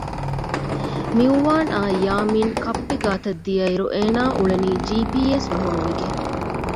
މިއުވާންއާއި ޔާމިން ކައްޕި ގާތަށް ދިޔައިރު އޭނާ އުޅެނީ ޖީޕީއެސް ނުހުޅުވިގެން